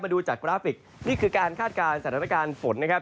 ดูจากกราฟิกนี่คือการคาดการณ์สถานการณ์ฝนนะครับ